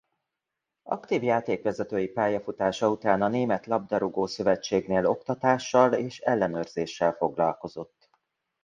Aktív játékvezetői pályafutása után a Német Labdarúgó-szövetségnél oktatással és ellenőrzéssel foglalkozott.